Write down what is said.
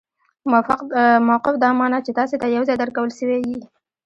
موقف دا مانا، چي تاسي ته یو ځای درکول سوی يي.